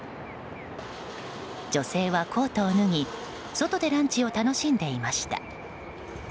女性はコートを脱ぎ外でランチを楽しんでいました。